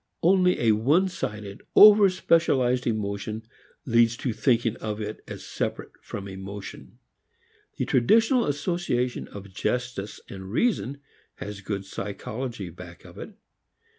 Only a one sided, over specialized emotion leads to thinking of it as separate from emotion. The traditional association of justice and reason has good psychology back of it.